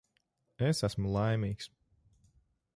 Es esmu laimīgs.